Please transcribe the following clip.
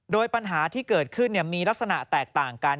โดยปัญหาที่เกิดขึ้นมีลักษณะแตกต่างกัน